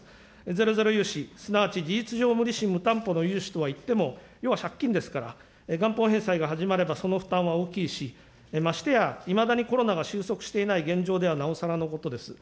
ゼロゼロ融資、すなわち事実上、無利子・無担保の融資とはいっても、要は借金ですから、元本返済が始まればその負担は大きいし、ましてやいまだにコロナが収束していない現状ではなおさらのことです。